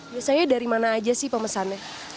biasanya dari mana aja sih pemesannya